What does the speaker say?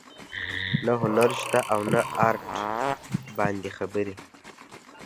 نه هنر شته او نه ارټ باندې خبرې